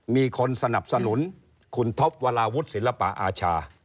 มีคนสนับสนุนคุณท็อปวราวุฒิศิลปะอาชา